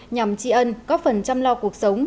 nhằm trị ân góp phần chăm lo cuộc sống